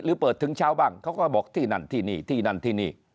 เปิดถึงเช้าบ้างเขาก็บอกที่นั่นที่นี่ที่นั่นที่นี่